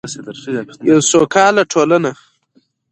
یوه سوکاله ټولنه.